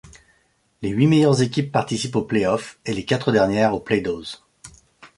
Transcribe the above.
Les huit meilleures équipes participent aux play-offs et les quatre dernières aux play-dows.